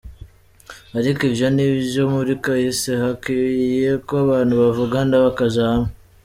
"Ariko ivyo ni ivyo muri kahise, hakwiye ko abantu bavugana, bakaja hamwe.